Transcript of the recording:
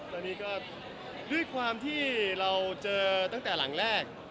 ตอนนี้ก็ด้วยความที่เราเจอตั้งแต่หลังแรก